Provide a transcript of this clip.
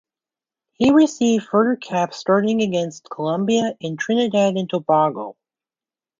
He received further caps starting against Colombia and Trinidad and Tobago.